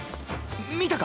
見たか？